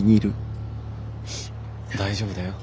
大丈夫だよ。